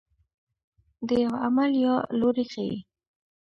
د یوه عمل یا لوری ښيي.